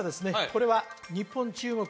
これは日本中国